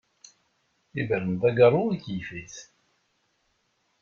Ibren-d agaru, ikyef-it.